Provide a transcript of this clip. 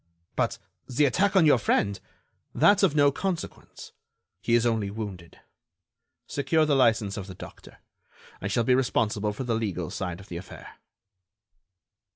"But the attack on your friend?" "That's of no consequence. He is only wounded. Secure the license of the doctor. I shall be responsible for the legal side of the affair."